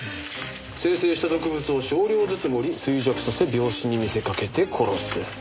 「生成した毒物を少量ずつ盛り衰弱させ病死に見せかけて殺す」。